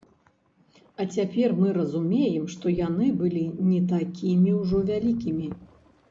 А цяпер мы разумеем, што яны былі не такімі ўжо вялікімі.